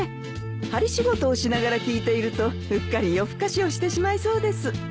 針仕事をしながら聞いているとうっかり夜更かしをしてしまいそうです。